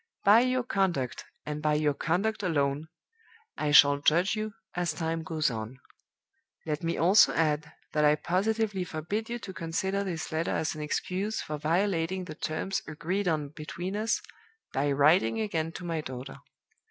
By your conduct, and by your conduct alone, I shall judge you as time goes on. Let me also add that I positively forbid you to consider this letter as an excuse for violating the terms agreed on between us, by writing again to my daughter.